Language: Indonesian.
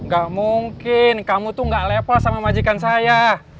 gak mungkin kamu tuh gak level sama majikan saya